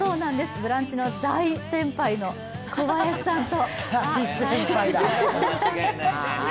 「ブランチ」の大先輩の小林さんと。